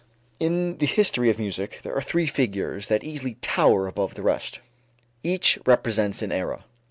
In the history of music there are three figures that easily tower above the rest. Each represents an era.